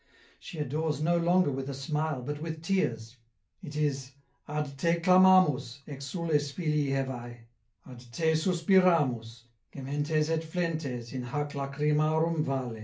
She adores no longer with a smile, but with tears ; it is " Ad te clamamus, exsules filii Hevae ; ad te suspiramus, gementes et flentes in hac lachrymarum valle."